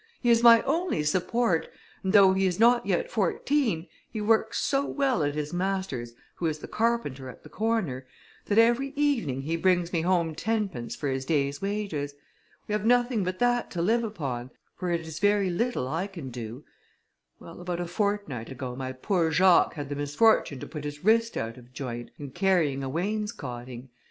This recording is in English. He is my only support, and though he is not yet fourteen, he works so well at his master's, who is the carpenter at the corner, that every evening he brings me home tenpence for his day's wages. We have nothing but that to live upon, for it is very little I can do. Well, about a fortnight ago, my poor Jacques had the misfortune to put his wrist out of joint, in carrying a wainscoting.